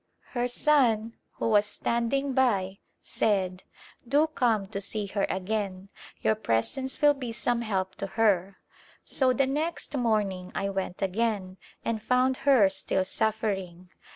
Her son, who was standing by, said, " Do come to see her again, your presence will be some help to her ;" so the next morning I went again and found her still suffering.